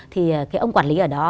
thì cái ông quản lý ở đó